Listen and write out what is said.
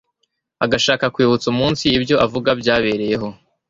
agashaka kwibutsa umunsi ibyo avuga byabereyeho